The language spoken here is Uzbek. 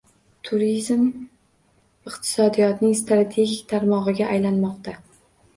Turizm iqtisodiyotning strategik tarmog‘iga aylanmoqda